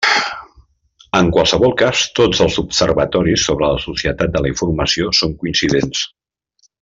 En qualsevol cas, tots els observatoris sobre la societat de la informació són coincidents.